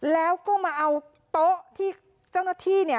แล้วก็มาเอาโต๊ะที่เจ้าหน้าที่เนี่ย